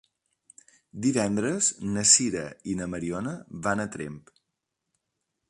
Divendres na Sira i na Mariona van a Tremp.